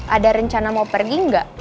ada rencana mau pergi nggak